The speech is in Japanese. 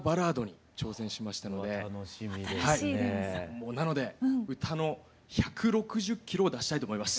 もうなので歌の１６０キロを出したいと思います。